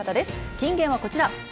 金言はこちら。